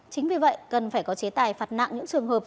chính vì vậy cần phải có chế tài phạt nặng những trường hợp